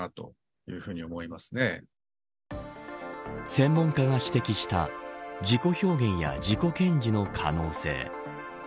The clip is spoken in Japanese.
専門家が指摘した自己表現や自己顕示の可能性。